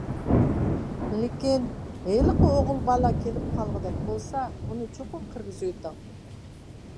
لېكىن، ھېلىقى ئوغۇل بالا كېلىپ قالغۇدەك بولسا، ئۇنى چوقۇم كىرگۈزۈۋېتىڭ.